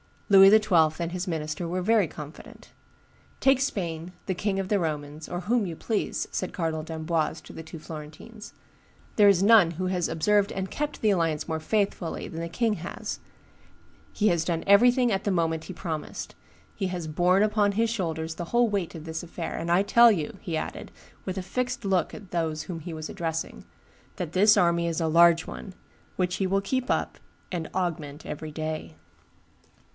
Louis XII. and his minister were very confident. "Take Spain, the king of the Romans, or whom you please," said Cardinal d'Amboise to the two Florentines; "there is none who has observed and kept the alliance more faithfully than the king has; he has done everything at the moment he promised; he has borne upon his shoulders the whole weight of this affair; and I tell you," he added, with a fixed look at those whom he was addressing, "that his army is a large one, which he will keep up and augment every day."